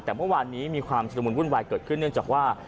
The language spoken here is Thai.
แต่เมื่อวานนี้มีความชุดละมุนวุ่นวายเกิดขึ้นเนื่องจากว่า